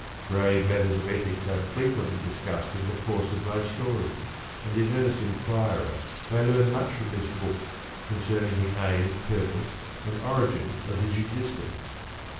Grave matters of ethics are frequently discussed in the course of my story, and the earnest inquirer may learn much from this book concerning the aim, purpose and origin of his existence.